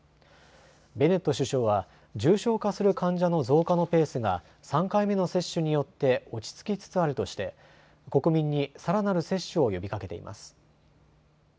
ベネット首相は重症化する患者の増加のペースが３回目の接種によって落ち着きつつあるとして国民にさらなる接種を呼びかけています。